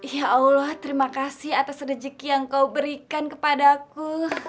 ya allah terima kasih atas rezeki yang kau berikan kepadaku